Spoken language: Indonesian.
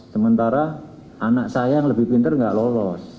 sementara anak saya yang lebih pintar enggak lolos